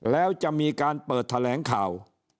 แล้วจะมีการเปิดแถลงข่าว